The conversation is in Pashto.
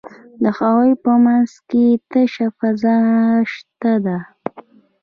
د هغوی په منځ کې تشه فضا شته ده.